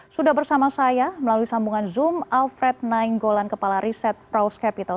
sudah bersama saya melalui sambungan zoom alfred nainggolan kepala riset proust capital